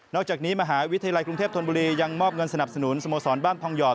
อกจากนี้มหาวิทยาลัยกรุงเทพธนบุรียังมอบเงินสนับสนุนสโมสรบ้านทองหอด